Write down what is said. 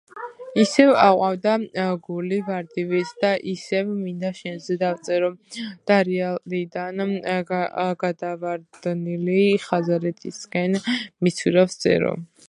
ისევ აყვავდა გული ვარდივით და ისევ მინდა შენზე დავწერო დარიალიდან გადავარდნილი ხაზარეთისკენ მისცურავს წერო